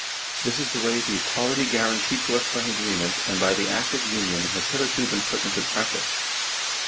This is the way the equality guaranteed to us by agreement and by the Act of Union has hitherto been put into practice